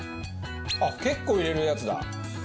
あっ結構入れるやつだ。